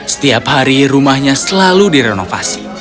setiap hari rumahnya selalu direnovasi